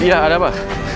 iya ada apa